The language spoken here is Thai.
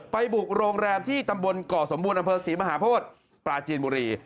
บุกโรงแรมที่ตำบลก่อสมบูรณอำเภอศรีมหาโพธิปราจีนบุรี